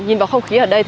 nhìn vào không khí ở đây